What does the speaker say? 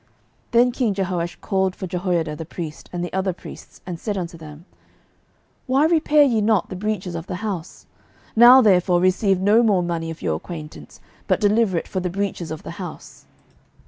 12:012:007 Then king Jehoash called for Jehoiada the priest, and the other priests, and said unto them, Why repair ye not the breaches of the house? now therefore receive no more money of your acquaintance, but deliver it for the breaches of the house.